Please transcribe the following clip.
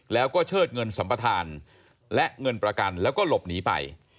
แล้วก็เชิดเงินสัมปทานและเงินประกันแล้วก็หลบหนีไป